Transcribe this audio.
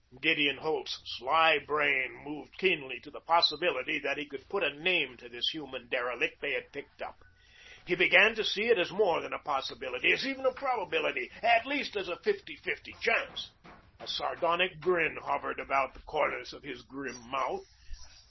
Gideon Holt's sly brain moved keenly to the possibility that he could put a name to this human derelict they had picked up. He began to see it as more than a possibility, as even a probability, at least as a fifty fifty chance. A sardonic grin hovered about the corners of his grim mouth.